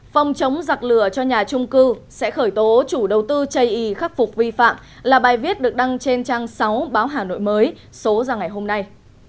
phòng chống giặc lửa cho nhà trung cư sẽ khởi tố chủ đầu tư chây y khắc phục vi phạm là bài viết được đăng trên trang sáu báo hà nội mới số ra ngày hôm nay